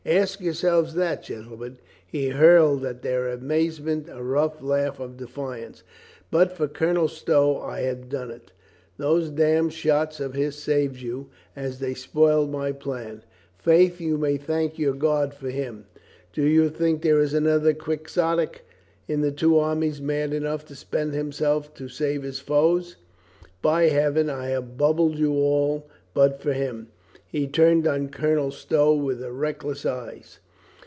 Ask yourselves that, gen tlemen!" He hurled at their amazement a rough laugh of defiance. "But for Colonel Stow I had done it. Those damned shots of his saved you, as they spoiled my plan. Faith, you may thank your God for him. Do you think there is another Quixote in the two armies mad enough to spend himself to save his foes? By Heaven, I had bubbled you all but for him!" He turned on Colonel Stow with reck less eyes.